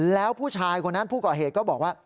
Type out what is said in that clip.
แล้วผู้ชายคนนั้นผู้ก่อเหตุก็บอกว่า